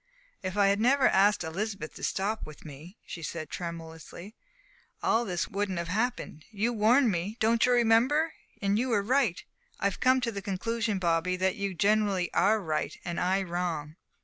"If I had never asked Elizabeth to stop with me," she said tremulously, "all this wouldn't have happened. You warned me don't you remember? and you were right. I've come to the conclusion, Bobby, that you generally are right and I wrong."